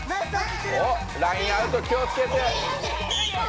おっラインアウト気をつけて。